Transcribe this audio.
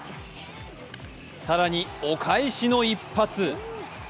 更に、お返しの一発！